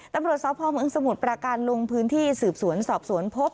ตำรวจสพเมืองสมุทรประการลงพื้นที่สืบสวนสอบสวนพบ